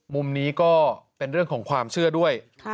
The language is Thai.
มุมนี้ก็เป็นเรื่องของความเชื่อด้วย